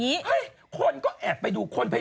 คนลุกก็เห็นหรือเปล่า